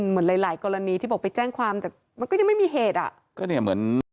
เหมือนหลายกรณีที่บอกไปแจ้งความแต่มันก็ยังไม่มีเหตุ